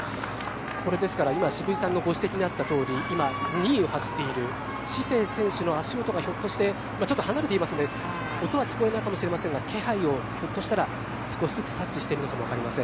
これ、今、渋井さんのご指摘にあった通り今、２位を走っているシセイ選手の足音がひょっとしてちょっと離れていますんで音は聞こえないかもしれませんが気配をひょっとしたら少しずつ察知してるのかもしれません。